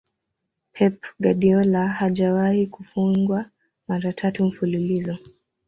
Pep guardiola hajawahi kufungwa mara tatu mfululizo